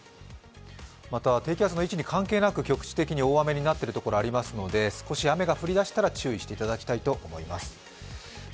また、低気圧の位置に関係なく局地的に大雨になっている所がありますので少し雨が降り出したら注意していただきたいと思います。